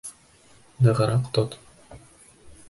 Нығыраҡ тот!